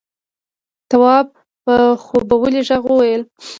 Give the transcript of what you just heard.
تواب په خوبولي غږ وويل: